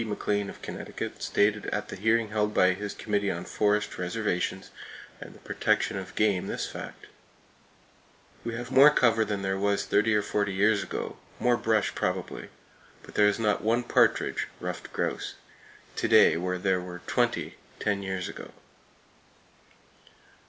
McLean, of Connecticut stated at the hearing held by his Committee on Forest Reservations and the Protection of Game this fact: "We have more cover than there was thirty or forty years ago, more brush probably, but there is not one partridge [ruffed grouse] today where there were twenty ten years ago!"